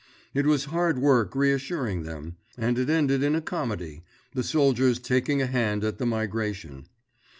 It was hard work reassuring them; and it ended in a comedy, the soldiers taking a hand at the migration.